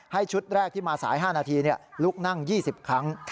ชุดแรกที่มาสาย๕นาทีลุกนั่ง๒๐ครั้ง